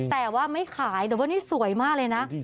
แต่ว่าไม่ขายแต่ว่านี่สวยมากเลยนะ